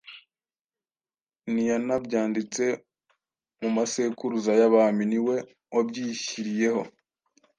ntiyanabyanditse mu Masekuruza y'Abami. Ni we wabyishyiriyeho,